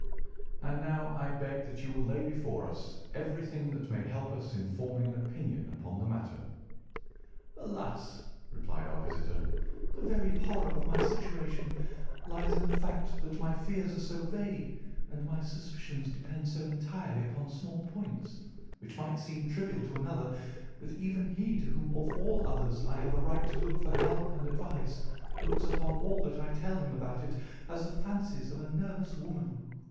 And now I beg that you will lay before us everything that may help us in forming an opinion upon the matter." "Alas!" replied our visitor, "the very horror of my situation lies in the fact that my fears are so vague, and my suspicions depend so entirely upon small points, which might seem trivial to another, that even he to whom of all others I have a right to look for help and advice looks upon all that I tell him about it as the fancies of a nervous woman.